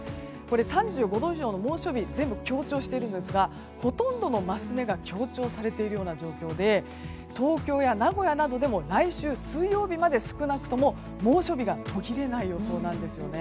３５度以上の猛暑日全部強調しているんですがほとんどのマス目が強調されている状況で東京や名古屋などでも来週水曜日まで少なくとも猛暑日が途切れない予想なんです。